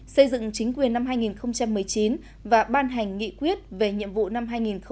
xây dựng chính quyền năm hai nghìn một mươi chín và ban hành nghị quyết về nhiệm vụ năm hai nghìn hai mươi